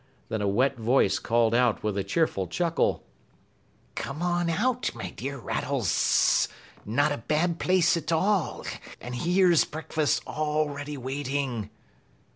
Then a wet voice called out with a cheerful chuckle: "Come on out, my dear Rattles. Not a bad place at all, and here's breakfast already waiting!"